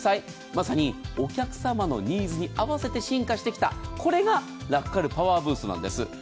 まさにお客さまのニーズに合わせて進化してきたこれがラクかるパワーブーストなんです。